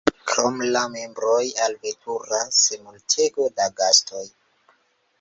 Krom la membroj alveturas multego da gastoj.